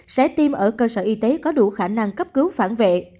sẽ tiêm ở cơ sở y tế có đủ khả năng cấp cứu phản vệ